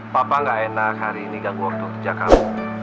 papa gak enak hari ini ganggu waktu kerja kamu